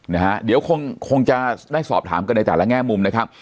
นะฮะเดี๋ยวคงคงจะได้สอบถามกันในแต่ละแง่มุมนะครับ